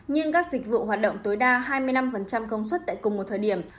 nhưng các dịch vụ hoạt động tối đa hai mươi năm công suất tại cùng một thời điểm